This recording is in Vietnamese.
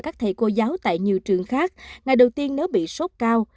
các thầy cô giáo tại nhiều trường khác ngày đầu tiên nếu bị sốt cao